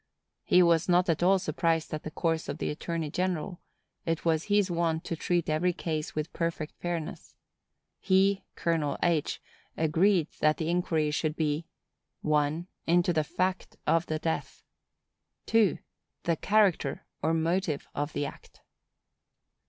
_ He was not at all surprised at the course of the attorney general; it was his wont to treat every case with perfect fairness. He (Colonel H.) agreed that the inquiry should be— 1. Into the fact of the death. 2. The character or motive of the act.